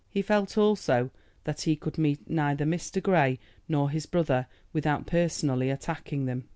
He felt, also, that he could meet neither Mr. Grey nor his brother without personally attacking them.